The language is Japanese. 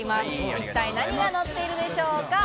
一体、何がのっているでしょうか？